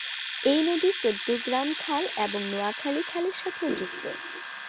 এই নদী চৌদ্দগ্রাম খাল এবং নোয়াখালী খালের সাথেও যুক্ত।